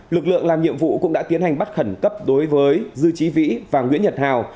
lực lượng làm nhiệm vụ cũng đã tiến hành bắt khẩn cấp đối với dư trí vĩ và nguyễn nhật hào